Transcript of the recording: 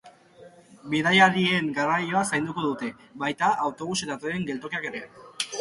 Bidaiarien garraioa zainduko dute, baita autobus eta tren geltokiak ere.